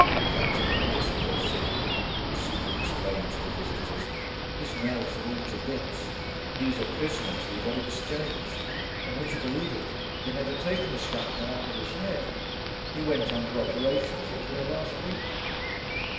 'Quite delirious, poor thing,' the super explained to the visitors. 'His nerves are all to bits. He was a prisoner, till he got exchanged. And would you believe it, they'd never taken the shrapnel out of his head; he went under operation for it here last week.'